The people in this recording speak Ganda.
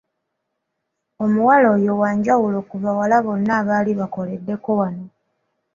Omuwala oyo wa njawulo ku bawala bonna abaali bakoleddeko wano.